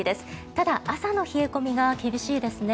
ただ朝の冷え込みが厳しいですね。